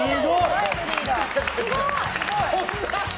すごい！